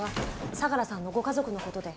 相良さんのご家族のことで。